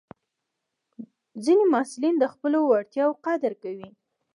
ځینې محصلین د خپلو وړتیاوو قدر کوي.